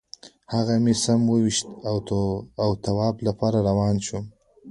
هغه مې سم وویشت او طواف لپاره روان شوو.